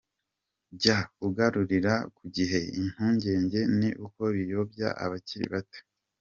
Jya uganirira ku gihe, impungenge ni uko biyobya abakiri bato.